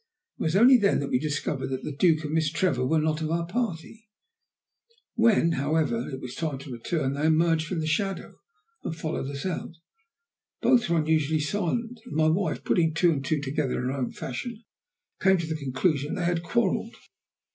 It was only then that we discovered that the Duke and Miss Trevor were not of our party. When, however, it was time to return they emerged from the shadow and followed us out. Both were unusually silent, and my wife, putting two and two together in her own fashion, came to the conclusion that they had quarrelled.